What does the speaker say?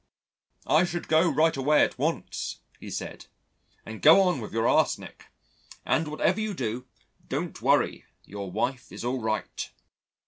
"I should go right away at once," he said, "and go on with your arsenic. And whatever you do don't worry your wife is all right."